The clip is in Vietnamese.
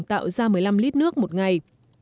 tạo ra một mươi năm lít nước một ngày